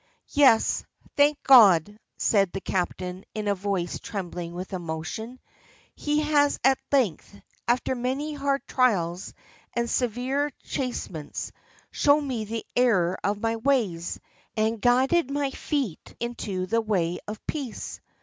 "Yes, thank God," said the captain in a voice trembling with emotion, "He has at length, after many hard trials and severe chastisements, shown me the error of my ways, and guided my feet into the way of peace.